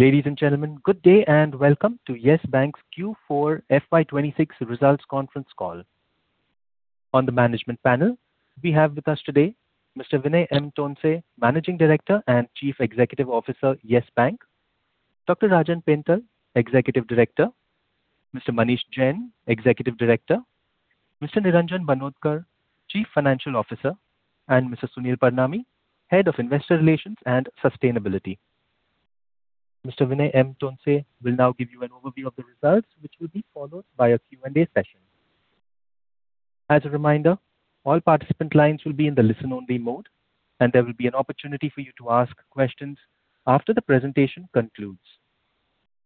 Ladies and gentlemen, good day and welcome to Yes Bank's Q4 FY 2026 Results Conference Call. On the management panel we have with us today Mr. Vinay M. Tonse, Managing Director and Chief Executive Officer, Yes Bank; Dr. Rajan Pental, Executive Director; Mr. Manish Jain, Executive Director; Mr. Niranjan Banodkar, Chief Financial Officer; and Mr. Sunil Parnami, Head of Investor Relations and Sustainability. Mr. Vinay M. Tonse will now give you an overview of the results, which will be followed by a Q&A session. As a reminder, all participant lines will be in the listen-only mode, and there will be an opportunity for you to ask questions after the presentation concludes.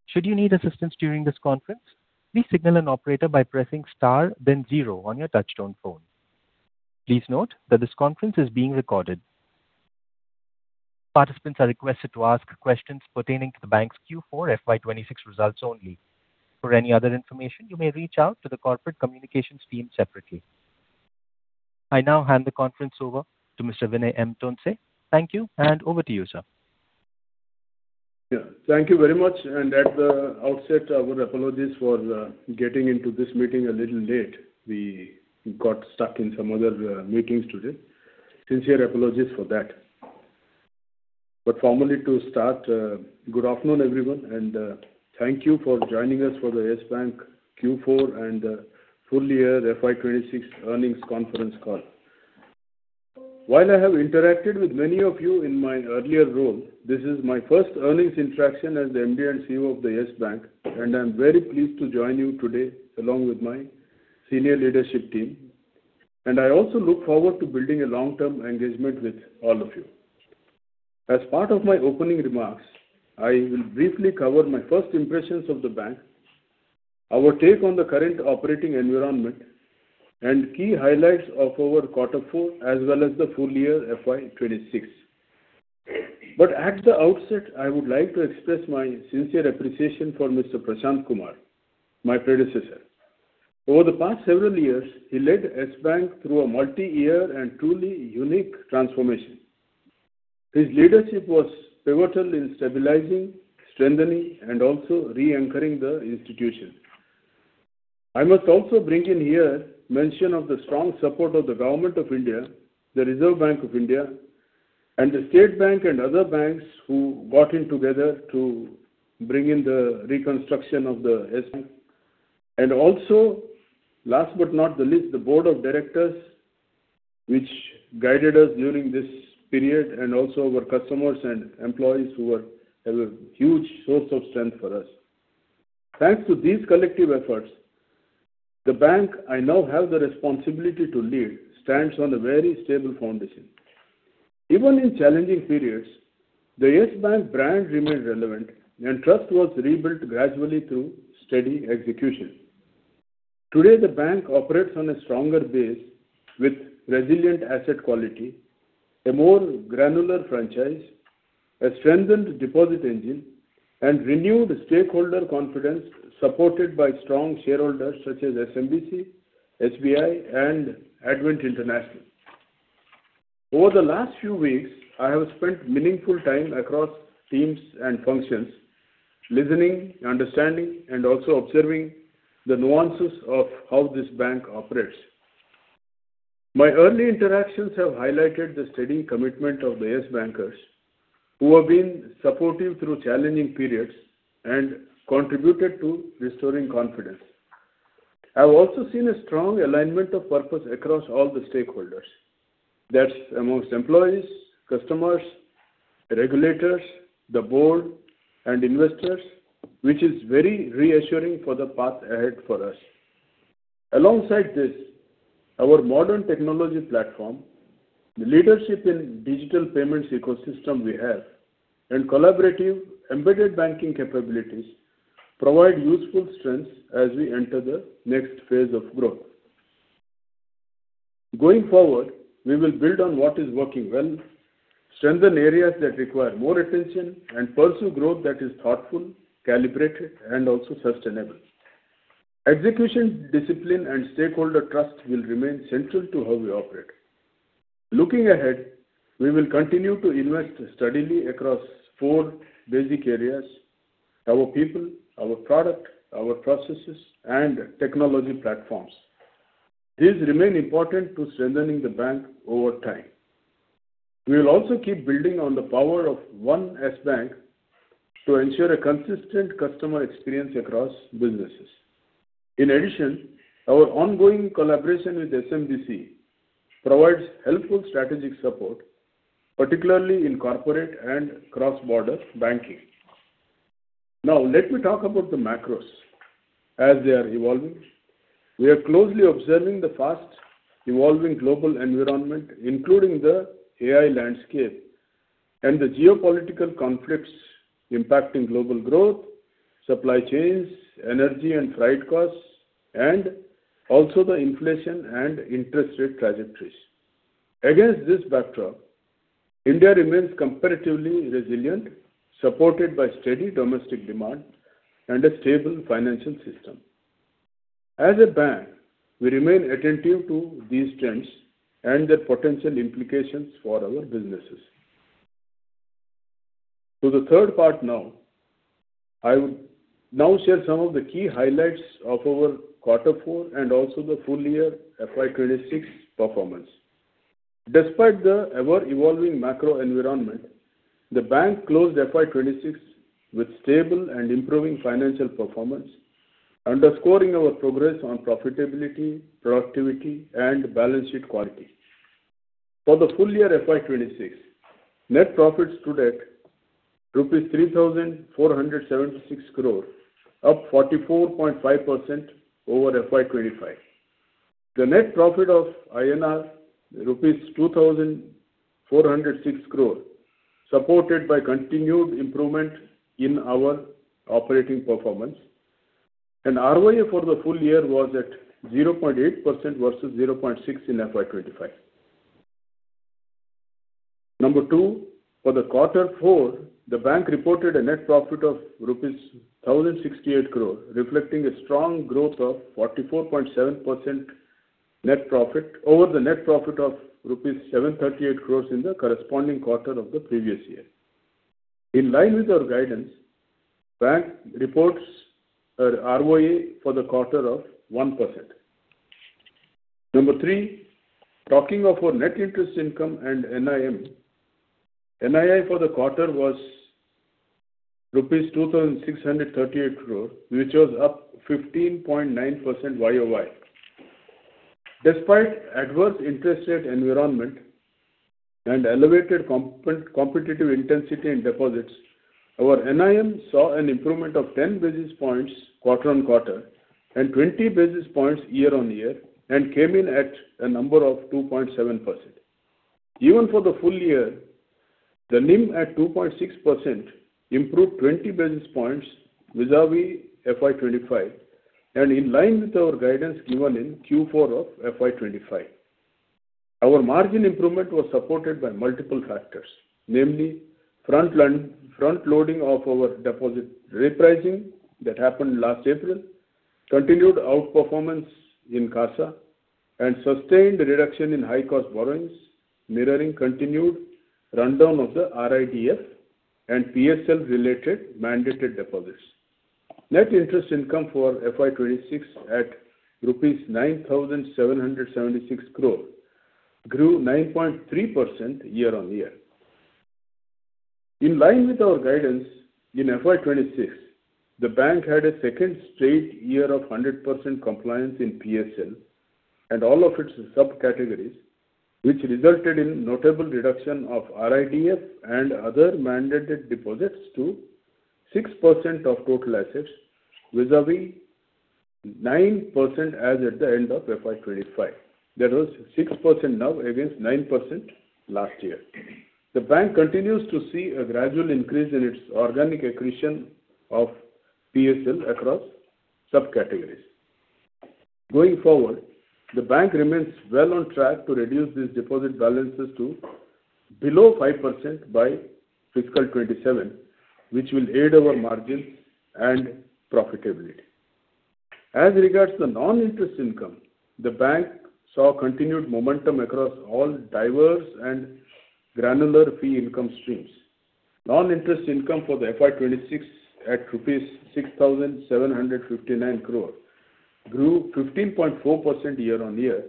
Should you need assistance during this conference, please signal an operator by pressing star then zero on your touch-tone phone. Please note that this conference is being recorded. Participants are requested to ask questions pertaining to the bank's Q4 FY 2026 results only. For any other information, you may reach out to the corporate communications team separately. I now hand the conference over to Mr. Vinay M. Tonse. Thank you, and over to you, sir. Yeah. Thank you very much. At the outset, our apologies for getting into this meeting a little late. We got stuck in some other meetings today. Sincere apologies for that. Formally to start, good afternoon, everyone, and thank you for joining us for the Yes Bank Q4 and full year FY 2026 earnings conference call. While I have interacted with many of you in my earlier role, this is my first earnings interaction as the MD & CEO of Yes Bank, and I'm very pleased to join you today along with my senior leadership team, and I also look forward to building a long-term engagement with all of you. As part of my opening remarks, I will briefly cover my first impressions of the bank, our take on the current operating environment, and key highlights of our quarter four as well as the full year FY 2026. At the outset, I would like to express my sincere appreciation for Mr. Prashant Kumar, my predecessor. Over the past several years, he led Yes Bank through a multi-year and truly unique transformation. His leadership was pivotal in stabilizing, strengthening, and also reanchoring the institution. I must also bring in here mention of the strong support of the Government of India, the Reserve Bank of India, and the State Bank and other banks who got in together to bring in the reconstruction of the Yes Bank. Also, last but not the least, the board of directors, which guided us during this period, and also our customers and employees who were a huge source of strength for us. Thanks to these collective efforts, the bank I now have the responsibility to lead stands on a very stable foundation. Even in challenging periods, the Yes Bank brand remained relevant, and trust was rebuilt gradually through steady execution. Today, the bank operates on a stronger base with resilient asset quality, a more granular franchise, a strengthened deposit engine, and renewed stakeholder confidence supported by strong shareholders such as SMBC, SBI, and Advent International. Over the last few weeks, I have spent meaningful time across teams and functions, listening, understanding, and also observing the nuances of how this bank operates. My early interactions have highlighted the steady commitment of the Yes bankers, who have been supportive through challenging periods and contributed to restoring confidence. I've also seen a strong alignment of purpose across all the stakeholders. That's amongst employees, customers, regulators, the board, and investors, which is very reassuring for the path ahead for us. Alongside this, our modern technology platform, the leadership in digital payments ecosystem we have, and collaborative embedded banking capabilities provide useful strengths as we enter the next phase of growth. Going forward, we will build on what is working well, strengthen areas that require more attention, and pursue growth that is thoughtful, calibrated, and also sustainable. Execution, discipline, and stakeholder trust will remain central to how we operate. Looking ahead, we will continue to invest steadily across four basic areas. Our people, our product, our processes, and technology platforms. These remain important to strengthening the bank over time. We will also keep building on the power of one Yes Bank to ensure a consistent customer experience across businesses. In addition, our ongoing collaboration with SMBC provides helpful strategic support, particularly in corporate and cross-border banking. Now let me talk about the macros as they are evolving. We are closely observing the fast-evolving global environment, including the AI landscape and the geopolitical conflicts impacting global growth, supply chains, energy and freight costs, and also the inflation and interest rate trajectories. Against this backdrop, India remains comparatively resilient, supported by steady domestic demand and a stable financial system. As a bank, we remain attentive to these trends and their potential implications for our businesses. To the third part now. I will now share some of the key highlights of our quarter four and also the full year FY 2026 performance. Despite the ever-evolving macro environment, the bank closed FY 2026 with stable and improving financial performance, underscoring our progress on profitability, productivity, and balance sheet quality. For the full year FY 2026, net profit stood at rupees 3,476 crore, up 44.5% over FY 2025. The net profit of rupees 2,406 crore supported by continued improvement in our operating performance, and ROA for the full year was at 0.8% versus 0.6% in FY 2025. Number two, for the quarter four, the bank reported a net profit of rupees 1,068 crore, reflecting a strong growth of 44.7% net profit over the net profit of rupees 738 crore in the corresponding quarter of the previous year. In line with our guidance, the bank reports a ROA for the quarter of 1%. Number three, talking of our net interest income and NIM, NII for the quarter was rupees 2,638 crore, which was up 15.9% YoY. Despite adverse interest rate environment and elevated competitive intensity in deposits, our NIM saw an improvement of 10 basis points quarter-on-quarter and 20 basis points year-on-year and came in at a number of 2.7%. Even for the full year, the NIM at 2.6% improved 20 basis points vis-à-vis FY 2025 and in line with our guidance given in Q4 of FY 2025. Our margin improvement was supported by multiple factors, namely, frontloading of our deposit repricing that happened last April, continued outperformance in CASA, and sustained reduction in high cost borrowings, mirroring continued rundown of the RIDF and PSL related mandated deposits. Net interest income for FY 2026 at rupees 9,776 crore grew 9.3% year-over-year. In line with our guidance, in FY 2026, the bank had a second straight year of 100% compliance in PSL and all of its subcategories, which resulted in notable reduction of RIDF and other mandated deposits to 6% of total assets vis-à-vis 9% as at the end of FY 2025. That was 6% now against 9% last year. The bank continues to see a gradual increase in its organic accretion of PSL across subcategories. Going forward, the bank remains well on track to reduce these deposit balances to below 5% by fiscal 2027, which will aid our margin and profitability. As regards the non-interest income, the bank saw continued momentum across all diverse and granular fee income streams. Non-interest income for the FY 2026 at rupees 6,759 crore grew 15.4% year-over-year,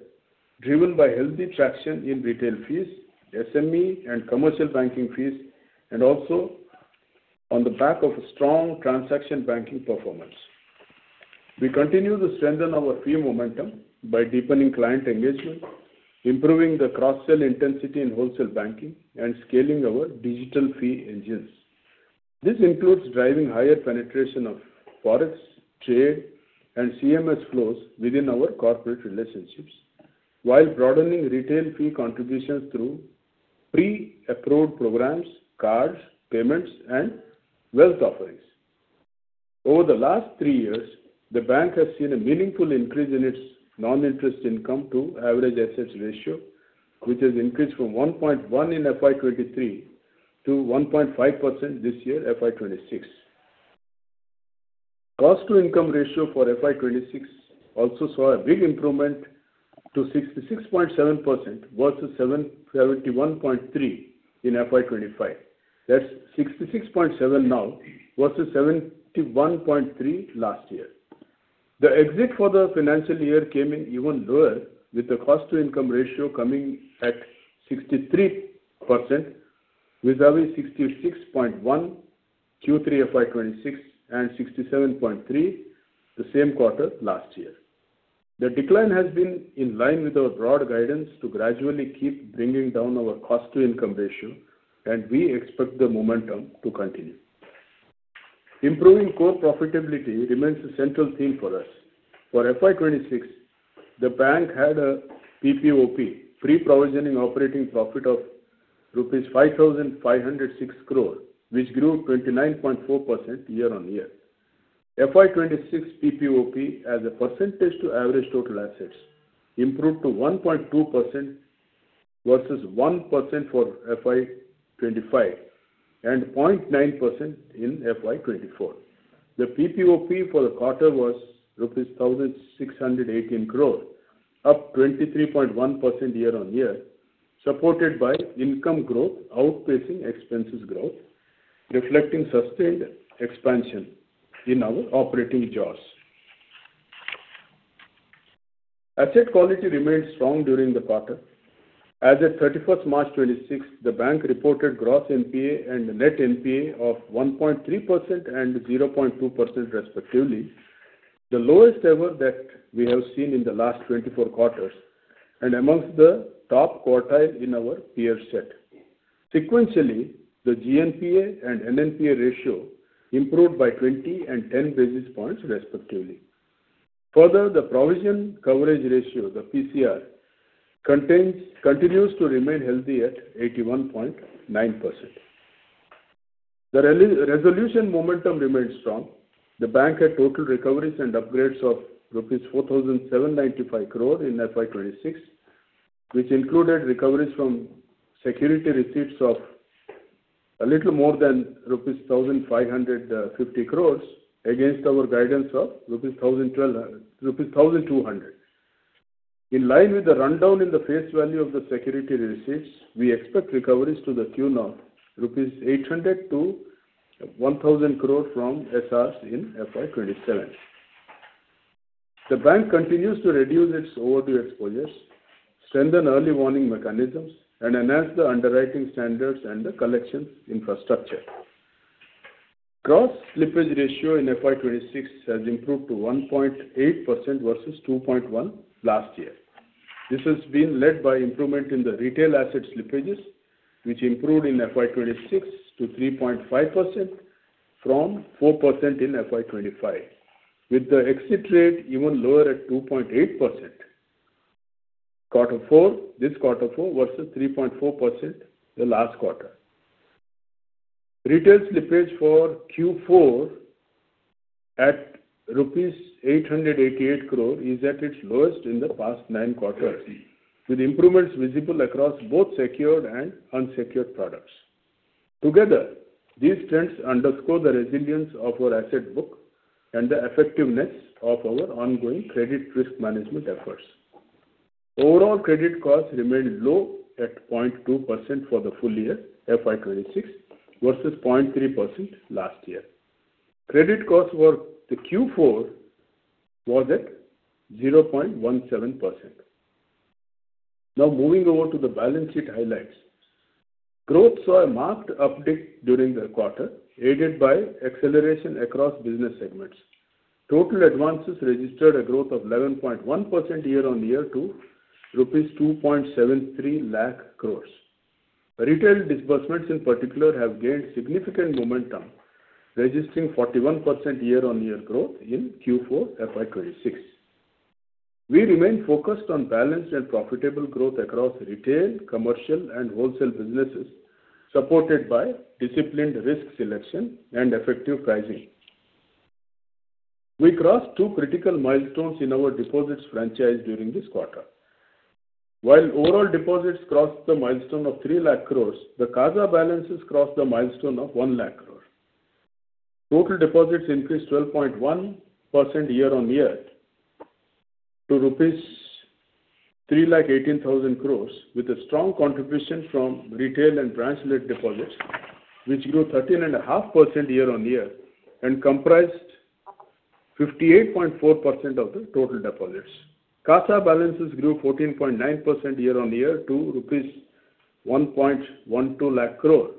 driven by healthy traction in Retail fees, SME and Commercial Banking fees, and also on the back of a strong transaction banking performance. We continue to strengthen our fee momentum by deepening client engagement, improving the cross-sell intensity in Wholesale Banking, and scaling our digital fee engines. This includes driving higher penetration of ForEx, trade, and CMS flows within our corporate relationships while broadening Retail fee contributions through pre-approved programs, cards, payments, and wealth offerings. Over the last three years, the bank has seen a meaningful increase in its non-interest income to average assets ratio, which has increased from 1.1% in FY 2023 to 1.5% this year, FY 2026. Cost to income ratio for FY 2026 also saw a big improvement to 66.7% versus 71.3% in FY 2025. That's 66.7% now versus 71.3% last year. The exit for the financial year came in even lower, with the cost to income ratio coming at 63% vis-à-vis 66.1% Q3 FY 2026 and 67.3% the same quarter last year. The decline has been in line with our broad guidance to gradually keep bringing down our cost to income ratio, and we expect the momentum to continue. Improving core profitability remains a central theme for us. For FY 2026, the bank had a PPOP, pre-provisioning operating profit, of rupees 5,506 crore, which grew 29.4% year-on-year. FY 2026 PPOP as a percentage of average total assets improved to 1.2% versus 1% for FY 2025 and 0.9% in FY 2024. The PPOP for the quarter was rupees 1,618 crore, up 23.1% year-over-year, supported by income growth outpacing expenses growth, reflecting sustained expansion in our operating jaws. Asset quality remained strong during the quarter. As at 26th March 2024, the bank reported gross NPA and net NPA of 1.3% and 0.2% respectively, the lowest ever that we have seen in the last 24 quarters and amongst the top quartile in our peer set. Sequentially, the GNPA and NNPA ratio improved by 20 and 10 basis points respectively. Further, the provision coverage ratio, the PCR, continues to remain healthy at 81.9%. The resolution momentum remains strong. The bank had total recoveries and upgrades of rupees 4,795 crore in FY 2026, which included recoveries from security receipts of a little more than rupees 1,550 crores against our guidance of rupees 1,200 crore. In line with the rundown in the face value of the security receipts, we expect recoveries to the tune of 800-1,000 crore rupees from SRs in FY 2027. The bank continues to reduce its overdue exposures, strengthen early warning mechanisms, and enhance the underwriting standards and the collection infrastructure. Gross slippage ratio in FY 2026 has improved to 1.8% versus 2.1% last year. This has been led by improvement in the retail asset slippages, which improved in FY 2026 to 3.5% from 4% in FY 2025, with the exit rate even lower at 2.8% this quarter four versus 3.4% the last quarter. Retail slippage for Q4 at rupees 888 crore is at its lowest in the past nine quarters, with improvements visible across both secured and unsecured products. Together, these trends underscore the resilience of our asset book and the effectiveness of our ongoing credit risk management efforts. Overall credit costs remained low at 0.2% for the full year FY 2026 versus 0.3% last year. Credit costs for Q4 was at 0.17%. Now moving over to the balance sheet highlights. Growth saw a marked uptick during the quarter, aided by acceleration across business segments. Total advances registered a growth of 11.1% year-on-year to rupees 273,000 crore. Retail disbursements in particular have gained significant momentum, registering 41% year-on-year growth in Q4 FY 2026. We remain focused on balanced and profitable growth across Retail, Commercial, and Wholesale businesses, supported by disciplined risk selection and effective pricing. We crossed two critical milestones in our deposits franchise during this quarter. While overall deposits crossed the milestone of 3 lakh crore, the CASA balances crossed the milestone of 1 lakh crore. Total deposits increased 12.1% year-over-year to 318,000 crore, with a strong contribution from Retail and branch-led deposits, which grew 13.5% year-over-year and comprised 58.4% of the total deposits. CASA balances grew 14.9% year-over-year to rupees 1.12 lakh crore,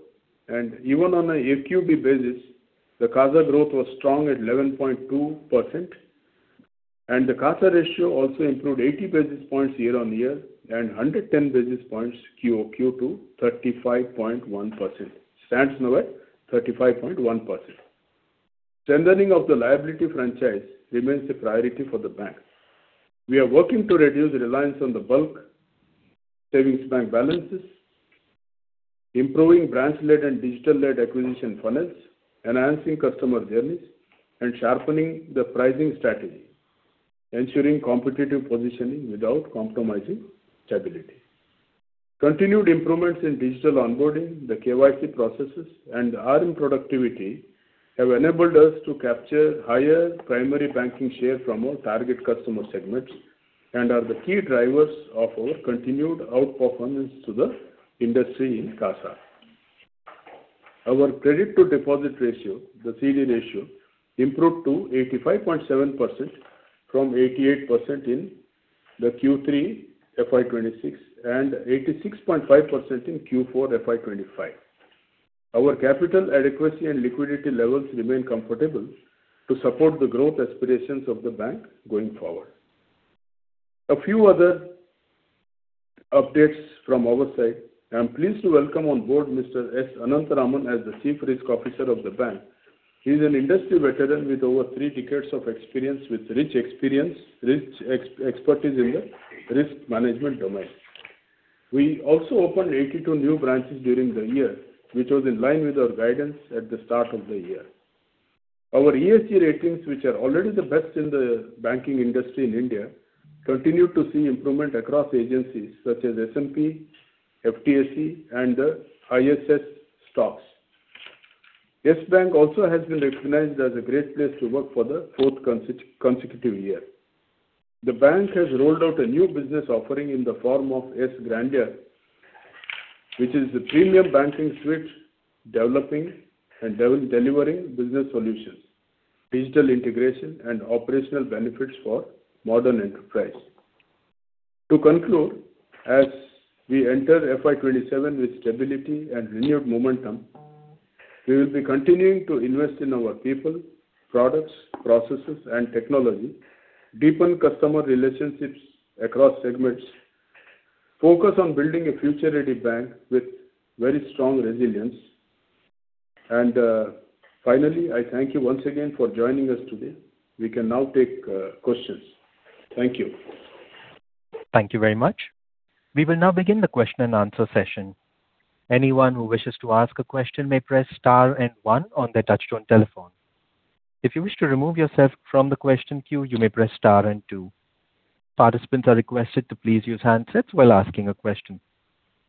and even on a QoQ basis, the CASA growth was strong at 11.2%, and the CASA ratio also improved 80 basis points year-over-year and 110 basis points QoQ to 35.1%. Strengthening of the liability franchise remains a priority for the bank. We are working to reduce reliance on the bulk savings bank balances, improving branch-led and digital-led acquisition funnels, enhancing customer journeys, and sharpening the pricing strategy, ensuring competitive positioning without compromising stability. Continued improvements in digital onboarding, the KYC processes, and RM productivity have enabled us to capture higher primary banking share from our target customer segments and are the key drivers of our continued outperformance to the industry in CASA. Our credit to deposit ratio, the CD ratio, improved to 85.7% from 88% in the Q3 FY 2026 and 86.5% in Q4 FY 2025. Our capital adequacy and liquidity levels remain comfortable to support the growth aspirations of the bank going forward. A few other updates from our side. I'm pleased to welcome on board Mr. S. Anantharaman as the Chief Risk Officer of the bank. He's an industry veteran with over three decades of experience with rich expertise in the risk management domain. We also opened 82 new branches during the year, which was in line with our guidance at the start of the year. Our ESG ratings, which are already the best in the banking industry in India, continue to see improvement across agencies such as S&P, FTSE, and ISS ESG. Yes Bank also has been recognized as a great place to work for the fourth consecutive year. The bank has rolled out a new business offering in the form of YES Grandeur, which is the premium banking suite, developing and delivering business solutions, digital integration and operational benefits for modern enterprise. To conclude, as we enter FY 2027 with stability and renewed momentum, we will be continuing to invest in our people, products, processes and technology, deepen customer relationships across segments, focus on building a future-ready bank with very strong resilience. Finally, I thank you once again for joining us today. We can now take questions. Thank you. Thank you very much. We will now begin the question-and-answer session. Anyone who wishes to ask a question may press star and one on their touch-tone telephone. If you wish to remove yourself from the question queue, you may press star and two. Participants are requested to please use handsets while asking a question.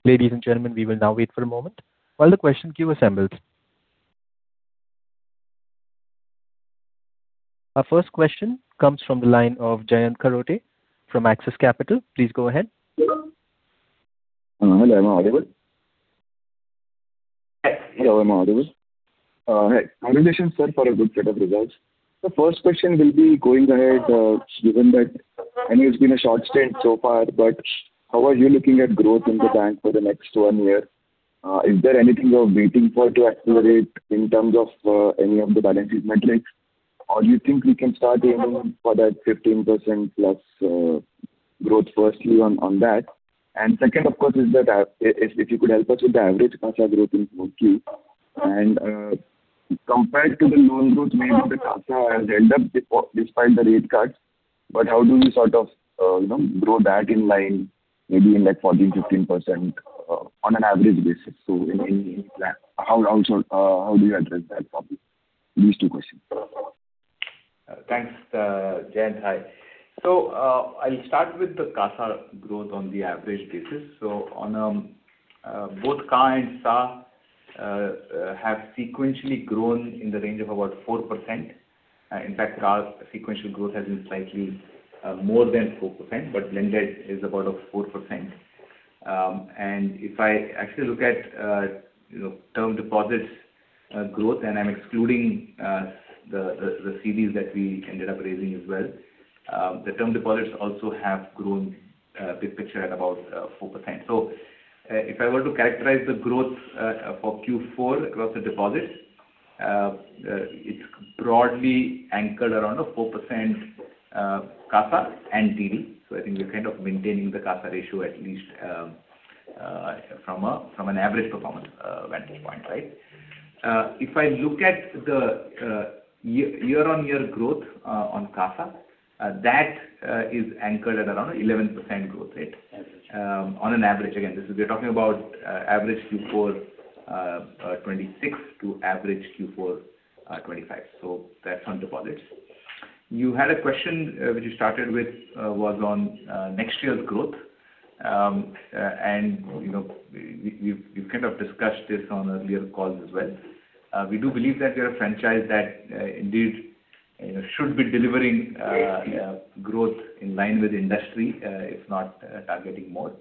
Ladies and gentlemen, we will now wait for a moment while the question queue assembles. Our first question comes from the line of Jayant Kharote from Axis Capital. Please go ahead. Hello, am I audible? Hi. Congratulations, sir, for a good set of results. The first question will be going ahead, given that, I know it's been a short stint so far, but how are you looking at growth in the bank for the next one year? Is there anything you're waiting for to accelerate in terms of any of the balancing metrics? Or you think we can start aiming for that 15%+ growth firstly on that. Second, of course, if you could help us with the average CASA growth in Q. Compared to the loan growth, maybe the CASA has ended up despite the rate cuts, but how do you sort of grow that in line, maybe in like 14%-15% on an average basis? How do you address that problem? These two questions. Thanks. Jayant, hi. I'll start with the CASA growth on the average basis. On both CA and SA have sequentially grown in the range of about 4%. In fact, CA sequential growth has been slightly more than 4%, but blended is about 4%. If I actually look at term deposits growth, and I'm excluding the CDs that we ended up raising as well. The term deposits also have grown big picture at about 4%. If I were to characterize the growth for Q4 across the deposits, it's broadly anchored around a 4% CASA and TD. I think we're kind of maintaining the CASA ratio at least from an average performance vantage point, right? If I look at the year-on-year growth on CASA, that is anchored at around 11% growth rate on an average. Again, we're talking about average Q4 2026 to average Q4 2025, so that's on deposits. You had a question which you started with was on next year's growth. We've kind of discussed this on earlier calls as well. We do believe that we are a franchise that indeed should be delivering growth in line with the industry, if not targeting more.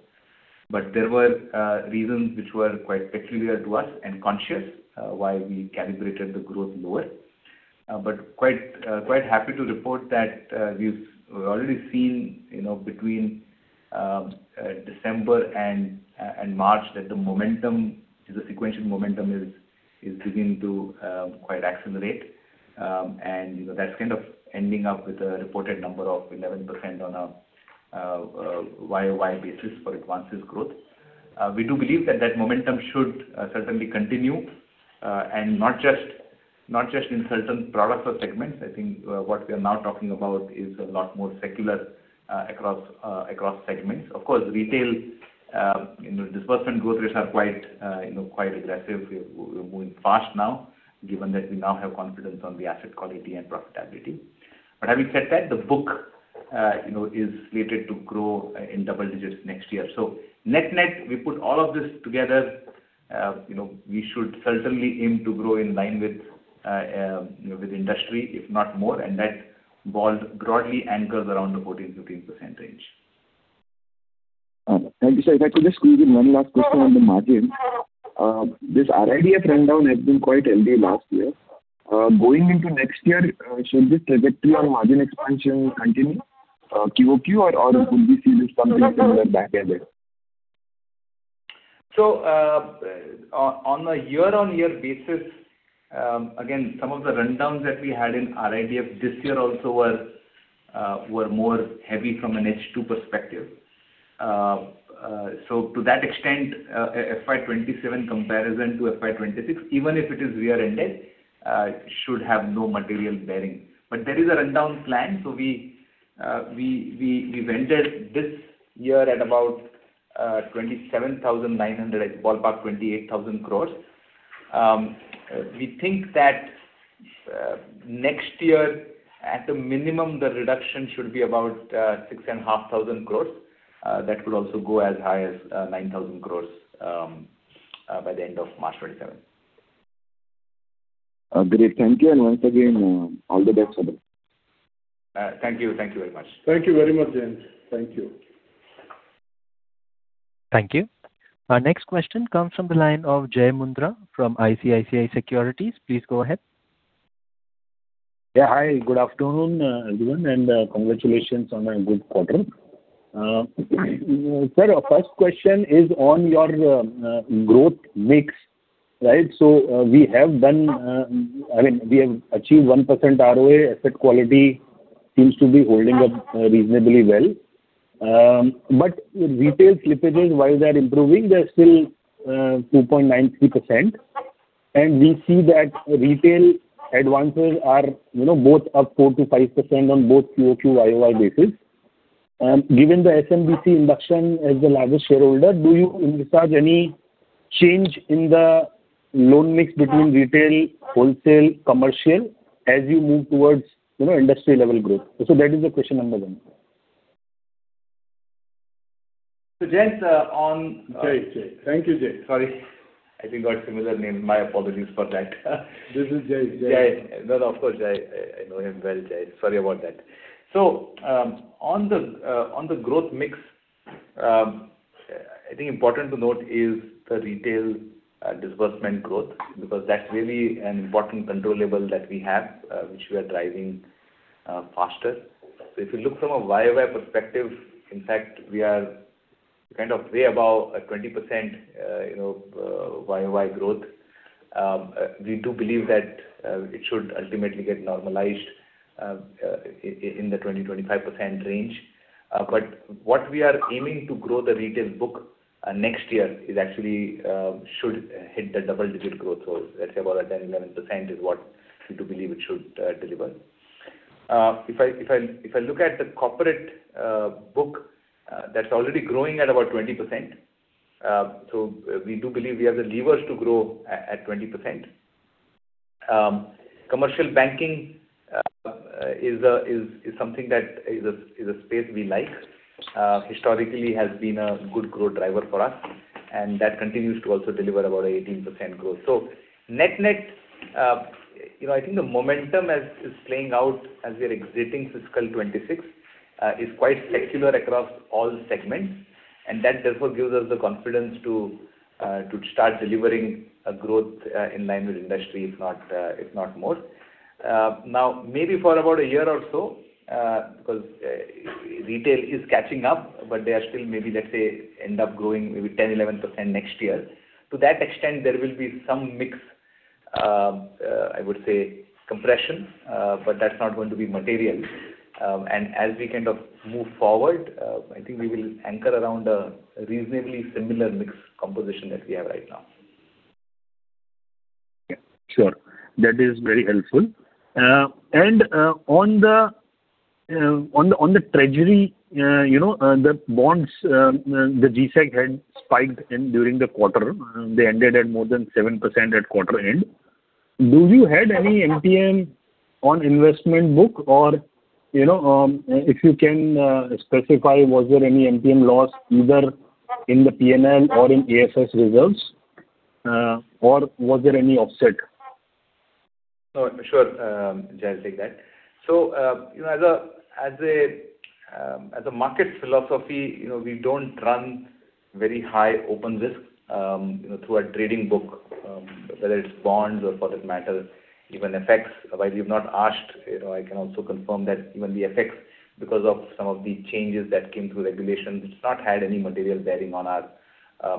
There were reasons which were quite peculiar to us and conscious why we calibrated the growth lower. Quite happy to report that we've already seen between December and March that the momentum, the sequential momentum is beginning to quite accelerate. That's kind of ending up with a reported number of 11% on a year-over-year basis for advances growth. We do believe that that momentum should certainly continue, and not just in certain products or segments. I think what we are now talking about is a lot more secular across segments. Of course, retail disbursement growth rates are quite aggressive. We're moving fast now, given that we now have confidence on the asset quality and profitability. Having said that, the book is slated to grow in double digits next year. Net-net, we put all of this together. We should certainly aim to grow in line with industry, if not more, and that broadly anchors around the 14%-15% range. Thank you, sir. If I could just squeeze in one last question on the margin. This RIDF rundown has been quite healthy last year. Going into next year, should this trajectory on margin expansion continue QoQ or will we see this something similar back ended? On a year-over-year basis, again, some of the rundowns that we had in RIDF this year also were more heavy from an H2 perspective. To that extent, FY 2027 comparison to FY 2026, even if it is year ended, should have no material bearing. There is a rundown plan, so we ended this year at about 27,900 crore, it's ballpark 28,000 crores. We think that next year, at the minimum, the reduction should be about 6,500 crores. That could also go as high as 9,000 crores by the end of March 2027. Great. Thank you and once again, all the best for that. Thank you. Thank you very much. Thank you very much, Jayant. Thank you. Thank you. Our next question comes from the line of Jai Mundhra from ICICI Securities. Please go ahead. Yeah. Hi, good afternoon, everyone, and congratulations on a good quarter. Sir, our first question is on your growth mix. We have achieved 1% ROA. Asset quality seems to be holding up reasonably well. Retail slippages, while they're improving, they're still 2.93%. We see that retail advances are both up 4%-5% on both QoQ YoY basis. Given the SMBC induction as the largest shareholder, do you envisage any change in the loan mix between Retail, Wholesale, Commercial, as you move towards industry level growth? That is the question number one. Jayant, on- Jai. Thank you, Jai. Sorry. I think we've got similar names. My apologies for that. This is Jai. Jai. No, of course. I know him well. Sorry about that. On the growth mix, I think important to note is the retail disbursement growth, because that's really an important control level that we have, which we are driving faster. If you look from a YoY perspective, in fact, we are kind of way above a 20% YoY growth. We do believe that it should ultimately get normalized in the 20%-25% range. What we are aiming to grow the retail book next year is actually should hit the double-digit growth, let's say about a 10%-11% is what we do believe it should deliver. If I look at the corporate book, that's already growing at about 20%. We do believe we have the levers to grow at 20%. Commercial banking is something that is a space we like. historically has been a good growth driver for us, and that continues to also deliver about 18% growth. Net-net, I think the momentum is playing out as we're exiting FY 2026. It is quite secular across all segments, and that therefore gives us the confidence to start delivering a growth in line with industry, if not more. Now, maybe for about a year or so, because Retail is catching up, but they are still, maybe let's say, end up growing maybe 10%-11% next year. To that extent, there will be some mix, I would say, compression, but that's not going to be material. As we kind of move forward, I think we will anchor around a reasonably similar mix composition that we have right now. Yeah, sure. That is very helpful. On the treasury, the bonds, the G-sec, had spiked in during the quarter. They ended at more than 7% at quarter end. Did you have any MTM on investment book or if you can specify, was there any MTM loss either in the P&L or in AFS results? Or was there any offset? No, sure. Jai, take that. As a market philosophy, we don't run very high open risk through our trading book, whether it's bonds or for that matter, even FX. While you've not asked, I can also confirm that even the FX, because of some of the changes that came through regulation, it's not had any material bearing on our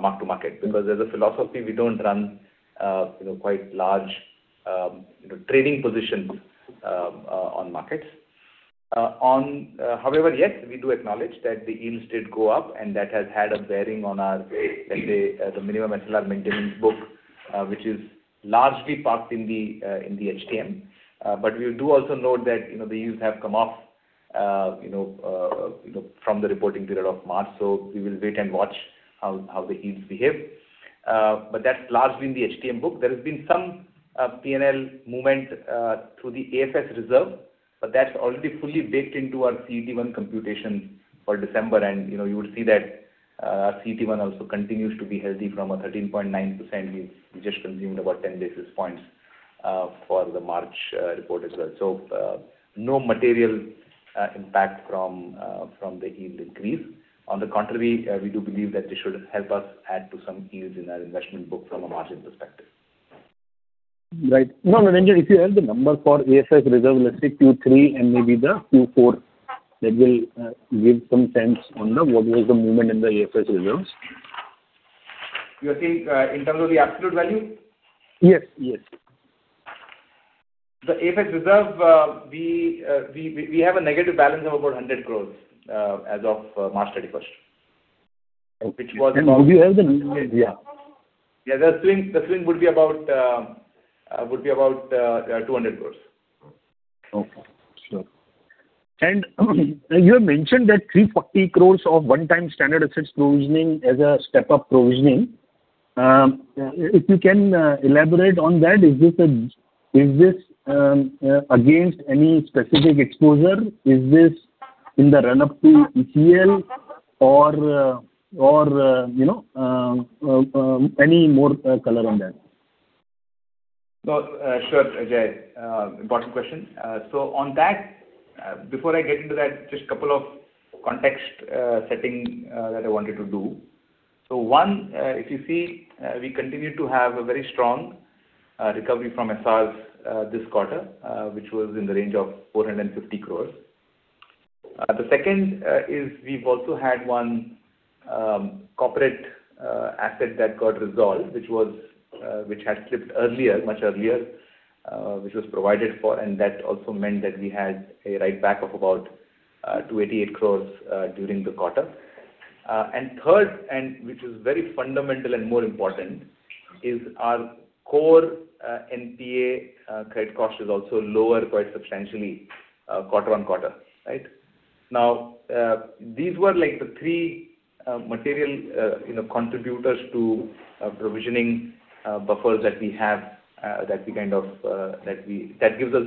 mark-to-market. Because as a philosophy, we don't run quite large trading positions on markets. However, yes, we do acknowledge that the yields did go up and that has had a bearing on our, let's say, the minimum SLR maintenance book, which is largely parked in the HTM. We do also note that the yields have come off from the reporting period of March, so we will wait and watch how the yields behave. That's largely in the HTM book. There has been some P&L movement through the AFS reserve, but that's already fully baked into our CET1 computation for December, and you would see that our CET1 also continues to be healthy from a 13.9% yield. We just consumed about 10 basis points for the March report as well. No material impact from the yield increase. On the contrary, we do believe that this should help us add to some yields in our investment book from a margin perspective. Right. No, if you have the number for AFS reserve, let's say Q3 and maybe the Q4, that will give some sense on what was the movement in the AFS reserves. You're saying in terms of the absolute value? Yes. The AFS reserve, we have a negative balance of about 100 crore as of March 31st. Okay. Do you have the number? Yeah. Yeah, the swing would be about 200 crores. Okay. Sure. You have mentioned that 340 crores of one-time standard assets provisioning as a step-up provisioning. If you can elaborate on that, is this against any specific exposure? Is this in the run up to ECL or any more color on that? Sure, Jai. Important question. On that, before I get into that, just a couple of context setting that I wanted to do. One, if you see, we continue to have a very strong recovery from SRs this quarter, which was in the range of 450 crores. The second is we've also had one corporate asset that got resolved, which had slipped much earlier, which was provided for, and that also meant that we had a write back of about 288 crores during the quarter. Third, and which is very fundamental and more important, is our core NPA credit cost is also lower quite substantially quarter on quarter. These were the three material contributors to provisioning buffers that we have that gives us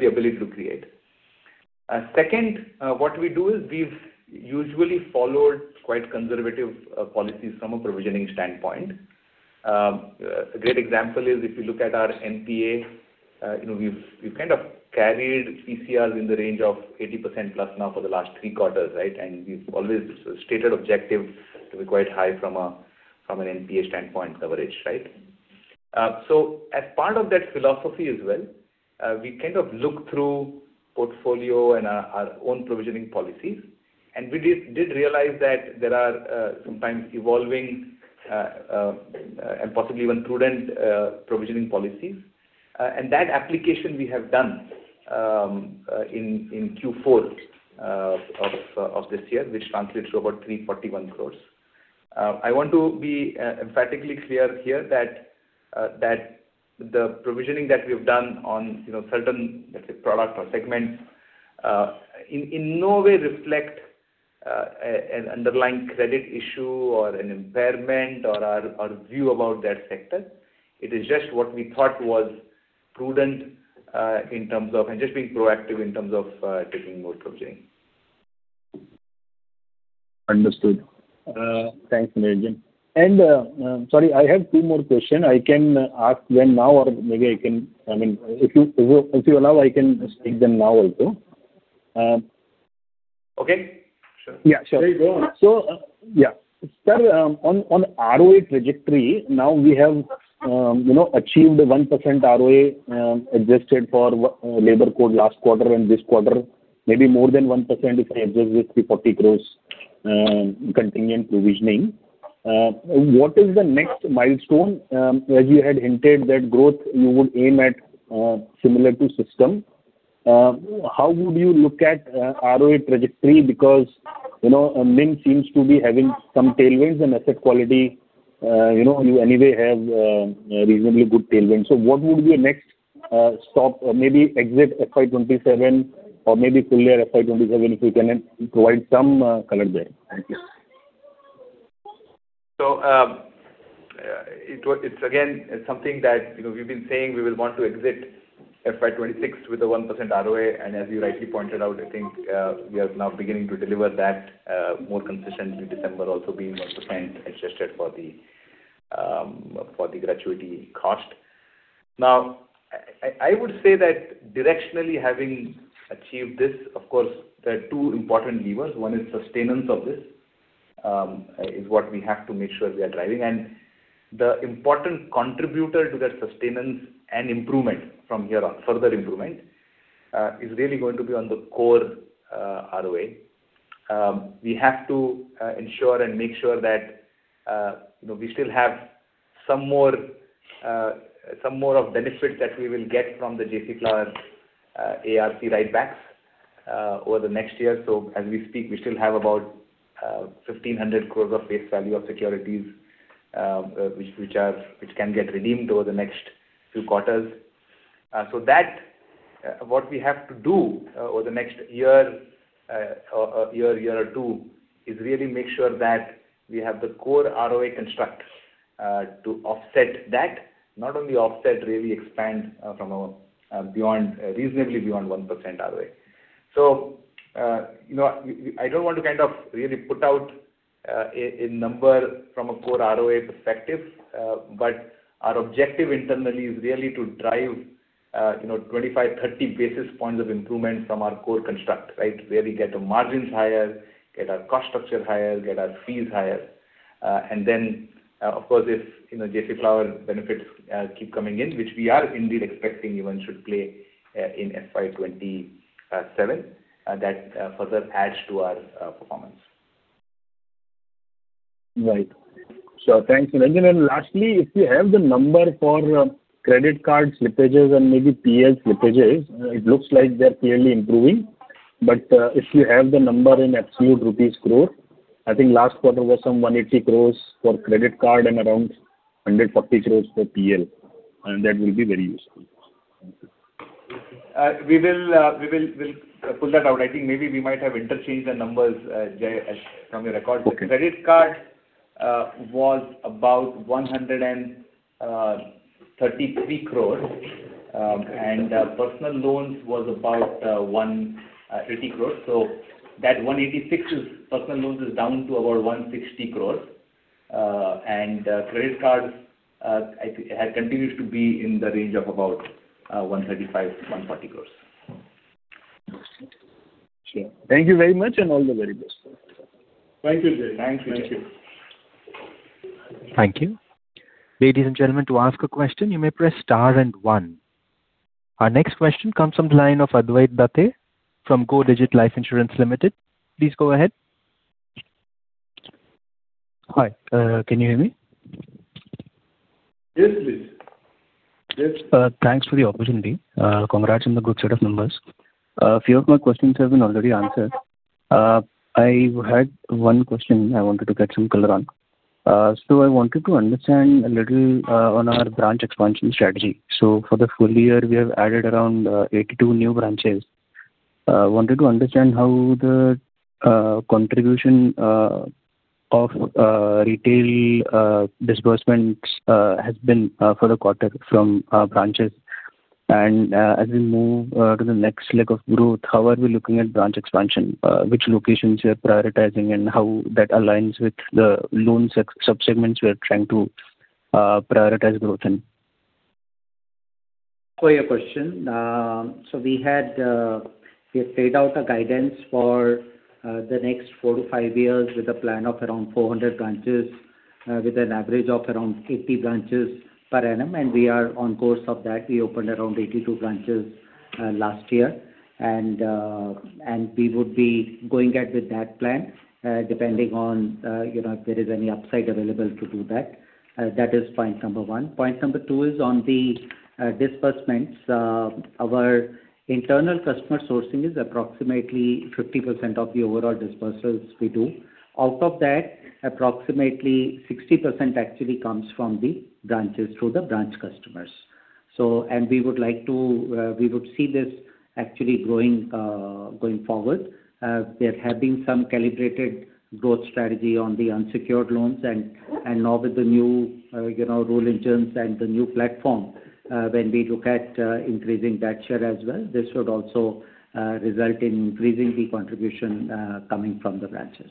the ability to create. Second, what we do is we've usually followed quite conservative policies from a provisioning standpoint. A great example is if you look at our NPA, we've kind of carried PCR in the range of 80%+ now for the last three quarters. We've always stated objective to be quite high from an NPA standpoint coverage. As part of that philosophy as well, we kind of look through portfolio and our own provisioning policies, and we did realize that there are sometimes evolving and possibly even prudent provisioning policies. That application we have done in Q4 of this year, which translates to about 341 crore. I want to be emphatically clear here that the provisioning that we've done on certain, let's say, product or segment, in no way reflect an underlying credit issue or an impairment or our view about that sector. It is just what we thought was prudent and just being proactive in terms of taking more provisioning. Understood. Thanks, Niranjan. Sorry, I have two more question. I can ask them now or maybe I can. If you allow, I can just take them now also. Okay. Sure. Yeah, sure. There you go. Yeah. Sir, on ROA trajectory, now we have achieved 1% ROA adjusted for labor code last quarter and this quarter, maybe more than 1% if I adjust this 340 crore contingent provisioning. What is the next milestone? As you had hinted that growth you would aim at similar to system. How would you look at ROA trajectory? Because NIM seems to be having some tailwinds and asset quality, you anyway have reasonably good tailwind. What would be your next stop? Maybe exit FY 2027 or maybe full year FY 2027, if you can provide some color there. Thank you. It's again, something that we've been saying we will want to exit FY 2026 with a 1% ROA, and as you rightly pointed out, I think, we are now beginning to deliver that more consistently, December also being 1% adjusted for the gratuity cost. Now, I would say that directionally having achieved this, of course, there are two important levers. One is sustenance of this, is what we have to make sure we are driving. The important contributor to that sustenance and improvement from here on, further improvement, is really going to be on the core ROA. We have to ensure and make sure that we still have some more of benefit that we will get from the J.C. Flowers ARC write backs over the next year. As we speak, we still have about 1,500 crore of face value of securities which can get redeemed over the next few quarters. That, what we have to do over the next year or two is really make sure that we have the core ROA construct to offset that. Not only offset, really expand from beyond, reasonably beyond 1% ROA. I don't want to kind of really put out a number from a core ROA perspective. Our objective internally is really to drive 25-30 basis points of improvement from our core construct. Where we get the margins higher, get our cost structure higher, get our fees higher. Of course, if J.C. Flowers benefits keep coming in, which we are indeed expecting even should play in FY 2027, that further adds to our performance. Right. Sure. Thanks, Niranjan. Lastly, if you have the number for credit card slippages and maybe PL slippages, it looks like they're clearly improving. If you have the number in absolute rupees growth, I think last quarter was some 180 crore for credit card and around 140 crore for PL, and that will be very useful. Thank you. We'll pull that out. I think maybe we might have interchanged the numbers, Jai, from your records. Okay. Credit card was about 133 crores, and personal loans was about 150 crores. That 186 personal loans is down to about 160 crores. Credit cards have continued to be in the range of about 135 crores-140 crores. Understood. Sure. Thank you very much, and all the very best. Thank you, Jai. Thanks. Thank you. Our next question comes from the line of Advait Date from Go Digit Life Insurance Limited. Please go ahead. Hi, can you hear me? Yes, please. Thanks for the opportunity. Congrats on the good set of numbers. A few of my questions have been already answered. I had one question I wanted to get some color on. I wanted to understand a little on our branch expansion strategy. For the full year, we have added around 82 new branches. Wanted to understand how the contribution of retail disbursements has been for the quarter from branches. As we move to the next leg of growth, how are we looking at branch expansion? Which locations you are prioritizing and how that aligns with the loan sub-segments we are trying to prioritize growth in? For your question, we had paid out a guidance for the next 4-5 years with a plan of around 400 branches, with an average of around 80 branches per annum. We are on course of that. We opened around 82 branches last year, and we would be going ahead with that plan, depending on if there is any upside available to do that. That is point number one. Point number two is on the disbursements. Our internal customer sourcing is approximately 50% of the overall disbursements we do. Out of that, approximately 60% actually comes from the branches, through the branch customers. We would see this actually growing, going forward. There have been some calibrated growth strategy on the unsecured loans and now with the new rule engines and the new platform, when we look at increasing that share as well, this should also result in increasing the contribution coming from the branches.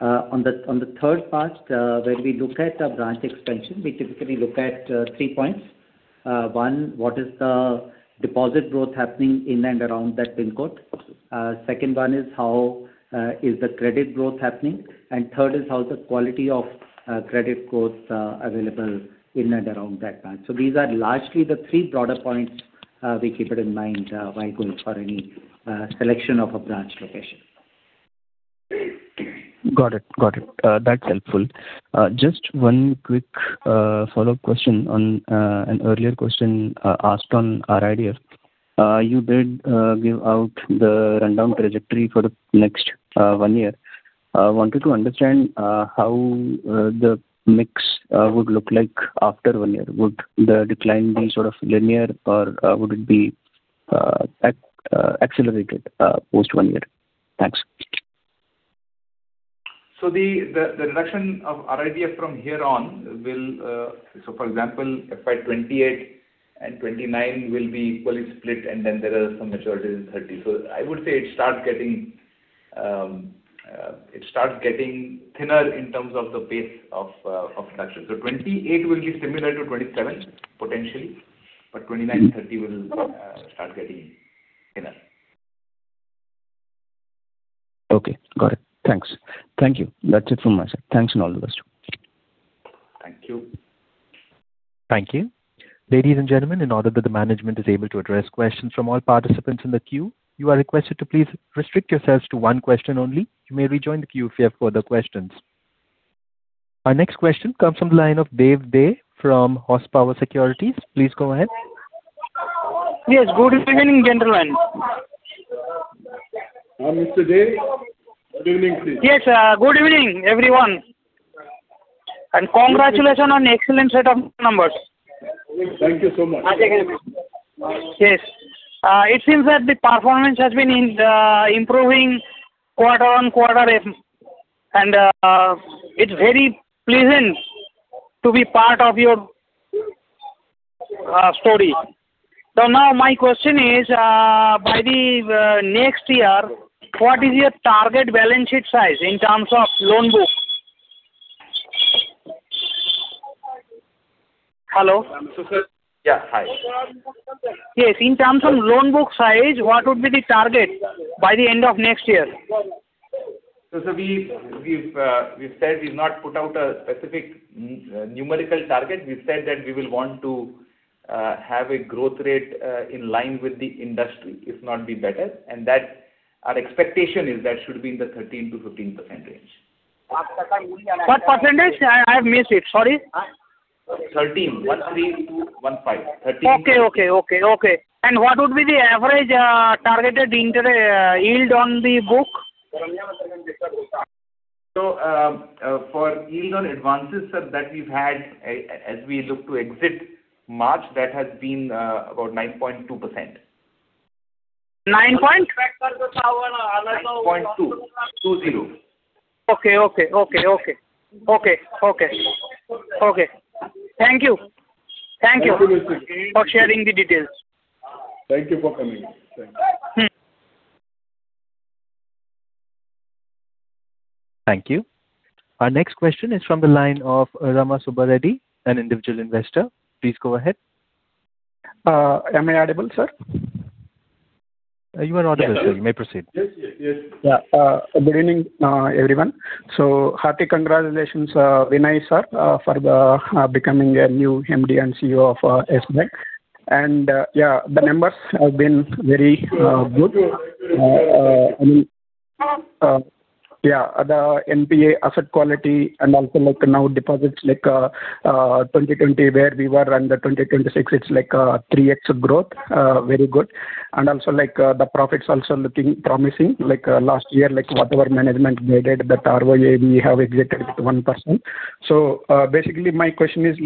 On the third part, where we look at a branch expansion, we typically look at three points. One, what is the deposit growth happening in and around that pin code? Second one is how is the credit growth happening? Third is how the quality of credit growth available in and around that branch. These are largely the three broader points we keep it in mind while going for any selection of a branch location. Got it. That's helpful. Just one quick follow-up question on an earlier question asked on RIDF. You did give out the rundown trajectory for the next one year. Wanted to understand how the mix would look like after one year. Would the decline be linear, or would it be accelerated post one year? Thanks. The reduction of RIDF from here on will, for example, be equally split between FY 2028 and FY 2029, and then there are some maturities in FY 2030. I would say it starts getting thinner in terms of the pace of reduction. FY 2028 will be similar to FY 2027, potentially, but FY 2029, FY 2030 will start getting thinner. Okay, got it. Thanks. Thank you. That's it from my side. Thanks and all the best. Thank you. Thank you. Ladies and gentlemen, in order that the management is able to address questions from all participants in the queue, you are requested to please restrict yourselves to one question only. You may rejoin the queue if you have further questions. Our next question comes from the line of [Dev Dey] from Horsepower Securities. Please go ahead. Yes. Good evening, gentlemen. Mr. Dey, good evening to you. Yes, good evening, everyone. Congratulations on excellent set of numbers. Thank you so much. Yes. It seems that the performance has been improving quarter-on-quarter, and it's very pleasant to be part of your story. Now my question is, by the next year, what is your target balance sheet size in terms of loan book? Hello? Yeah. Hi. Yes, in terms of loan book size, what would be the target by the end of next year? We've said we've not put out a specific numerical target. We've said that we will want to have a growth rate in line with the industry, if not be better. Our expectation is that should be in the 13%-15% range. What percentage? I missed it, sorry. 13%. One, three, one, five. 13%. Okay. What would be the average targeted interest yield on the book? For yield on advances, sir, that we've had as we look to exit March, that has been about 9.2%. 9 point? 9.2. two zero. Okay. Thank you. Welcome. For sharing the details. Thank you for coming. Thank you. Thank you. Our next question is from the line of Rama Subba Reddy, an individual investor. Please go ahead. Am I audible, sir? You are audible, sir. You may proceed. Yes. Good evening, everyone. Hearty congratulations, Vinay sir, for becoming a new MD & CEO of Yes Bank. Yeah, the numbers have been very good. Yeah, the NPA asset quality and also now deposits, 2020 where we were and the 2026, it's 3x growth. Very good. Also the profits also looking promising, like last year, whatever management guided that ROA, we have exited with 1%. Basically my question is,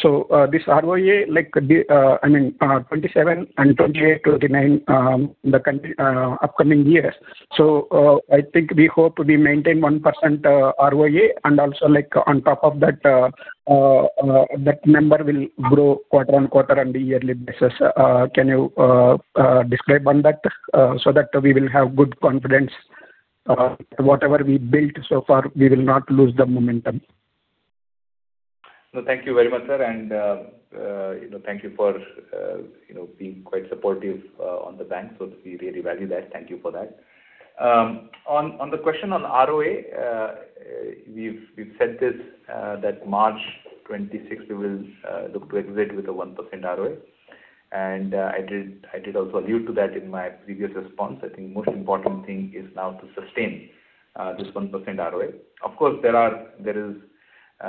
so this ROA, I mean, 2027 and 2028, 2029, the upcoming years. I think we hope to maintain 1% ROA and also on top of that number will grow quarter on quarter on the yearly basis. Can you describe on that, so that we will have good confidence? Whatever we built so far, we will not lose the momentum. Thank you very much, sir, and thank you for being quite supportive on the bank. We really value that. Thank you for that. On the question on ROA, we've said this, that March 2026, we will look to exit with a 1% ROA. I did also allude to that in my previous response. I think most important thing is now to sustain this 1% ROA. Of course,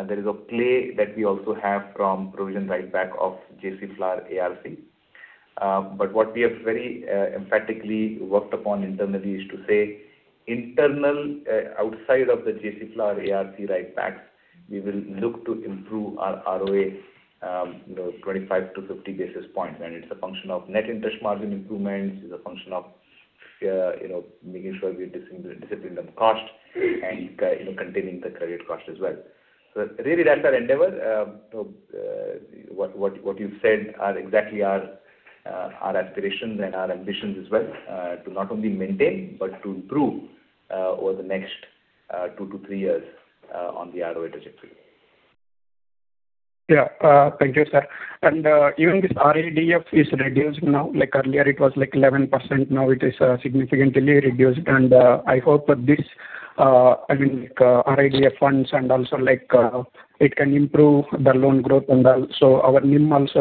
there is a play that we also have from provision write-back of J.C. Flowers ARC. What we have very emphatically worked upon internally is to say, internal outside of the J.C. Flowers ARC write-backs, we will look to improve our ROA, 25-50 basis points and it's a function of net interest margin improvements, is a function of making sure we discipline the cost and containing the credit cost as well. Really that's our endeavor. What you've said are exactly our aspirations and our ambitions as well, to not only maintain, but to improve over the next 2-3 years on the ROA trajectory. Yeah. Thank you, sir. Even this RIDF is reduced now. Earlier it was 11%, now it is significantly reduced and I hope that this, RIDF funds and also it can improve the loan growth and also our NIM also.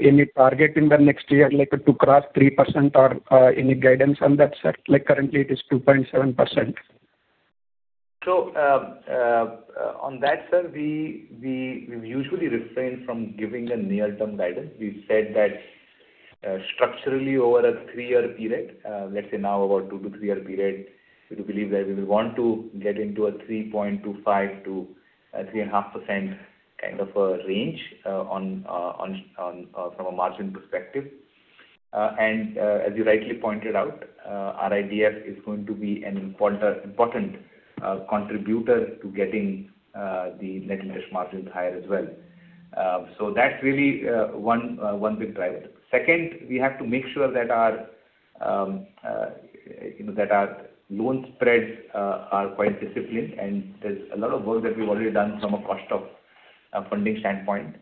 Any target in the next year, to cross 3% or any guidance on that, sir? Currently it is 2.7%. On that, sir, we've usually refrained from giving a near-term guidance. We've said that structurally over a three-year period, let's say now about 2- to 3-year period, we believe that we will want to get into a 3.25%-3.5% kind of a range from a margin perspective. As you rightly pointed out, RIDF is going to be an important contributor to getting the net interest margins higher as well. That's really one big driver. Second, we have to make sure that our loan spreads are quite disciplined and there's a lot of work that we've already done from a cost of funding standpoint.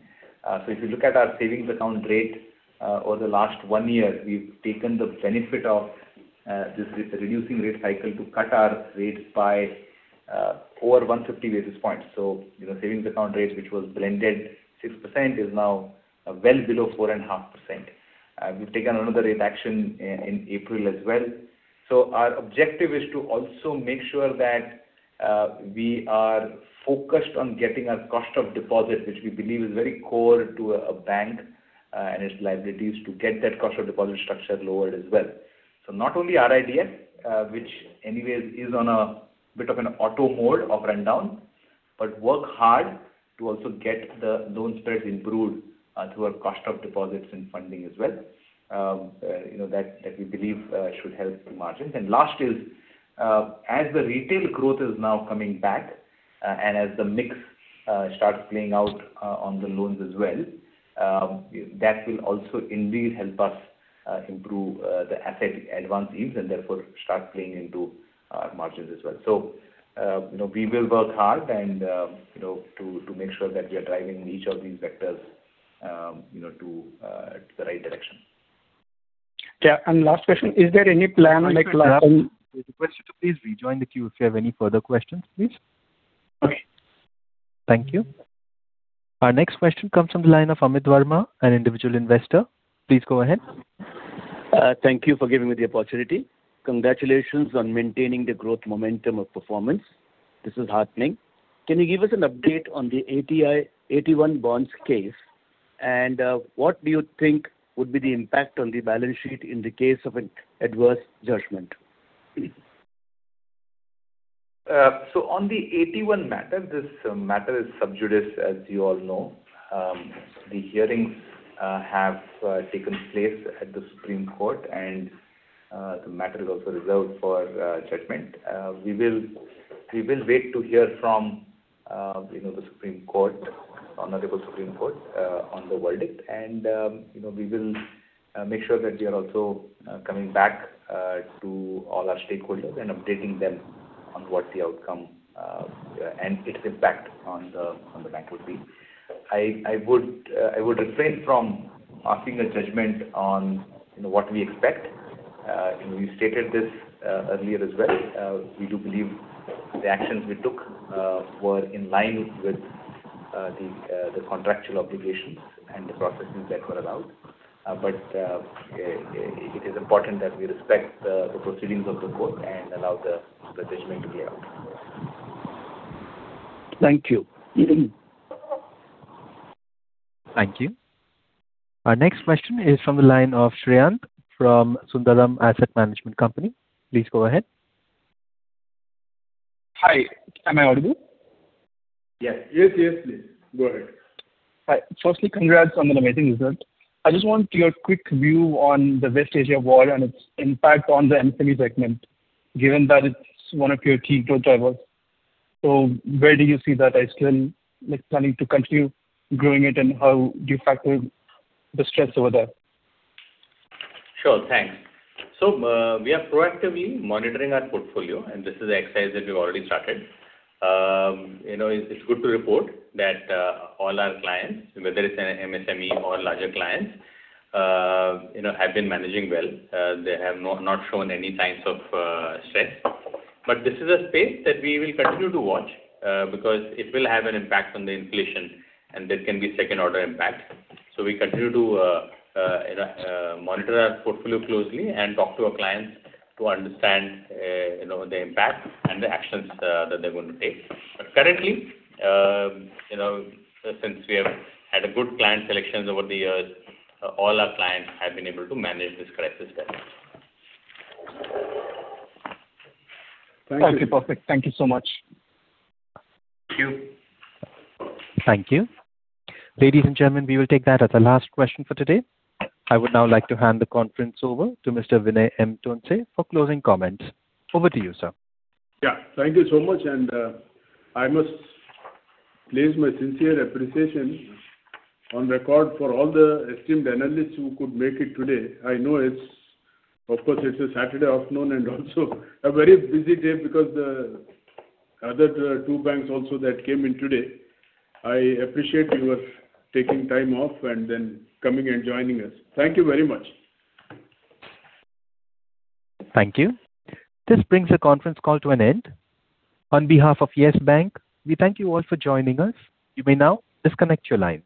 If you look at our savings account rate, over the last 1 year, we've taken the benefit of this reducing rate cycle to cut our rates by over 150 basis points. Savings account rate, which was blended 6% is now well below 4.5%. We've taken another rate action in April as well. Our objective is to also make sure that we are focused on getting our cost of deposit, which we believe is very core to a bank and its liabilities to get that cost of deposit structure lowered as well. Not only RIDF, which anyway is on a bit of an auto mode of rundown, but work hard to also get the loan spreads improved through our cost of deposits and funding as well. That we believe should help the margins. Last is, as the Retail growth is now coming back, and as the mix starts playing out on the loans as well, that will also indeed help us improve the asset advance yields and therefore start playing into our margins as well. We will work hard to make sure that we are driving each of these vectors to the right direction. Yeah. Last question. Is there any plan like- Please rejoin the queue if you have any further questions, please. Okay. Thank you. Our next question comes from the line of Amit Varma, an individual investor. Please go ahead. Thank you for giving me the opportunity. Congratulations on maintaining the growth momentum of performance. This is heartening. Can you give us an update on the AT1 bonds case, and what do you think would be the impact on the balance sheet in the case of an adverse judgment? On the AT1 matter, this matter is sub judice, as you all know. The hearings have taken place at the Supreme Court and the matter is also reserved for judgment. We will wait to hear from the Supreme Court, Honorable Supreme Court, on the verdict. We will make sure that we are also coming back to all our stakeholders and updating them on what the outcome and its impact on the bank would be. I would refrain from passing a judgment on what we expect. We stated this earlier as well. We do believe the actions we took were in line with the contractual obligations and the processes that were allowed. It is important that we respect the proceedings of the court and allow the judgment to be out. Thank you. Thank you. Our next question is from the line of Shreyank from Sundaram Asset Management Company. Please go ahead. Hi. Am I audible? Yes, please. Go ahead. Hi. Firstly, congrats on an amazing result. I just want your quick view on the West Asia war and its impact on the MSME segment, given that it's one of your key growth drivers. Where do you see that is still planning to continue growing it, and how do you factor the stress over there? Sure. Thanks. We are proactively monitoring our portfolio, and this is the exercise that we've already started. It's good to report that all our clients, whether it's an MSME or larger clients, have been managing well. They have not shown any signs of stress. This is a space that we will continue to watch because it will have an impact on the inflation, and there can be second-order impact. We continue to monitor our portfolio closely and talk to our clients to understand the impact and the actions that they're going to take. Currently, since we have had a good client selections over the years, all our clients have been able to manage this crisis well. Okay, perfect. Thank you so much. Thank you. Thank you. Ladies and gentlemen, we will take that as the last question for today. I would now like to hand the conference over to Mr. Vinay M. Tonse for closing comments. Over to you, sir. Yeah. Thank you so much, and I must place my sincere appreciation on record for all the esteemed analysts who could make it today. I know, of course, it's a Saturday afternoon and also a very busy day because the other two banks also that came in today. I appreciate you taking time off and then coming and joining us. Thank you very much. Thank you. This brings the conference call to an end. On behalf of Yes Bank, we thank you all for joining us. You may now disconnect your lines.